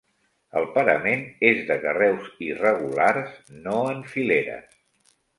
El parament és de carreus irregulars, no en fileres.